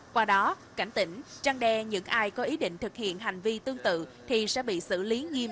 qua đó cảnh tỉnh trăng đe những ai có ý định thực hiện hành vi tương tự thì sẽ bị xử lý nghiêm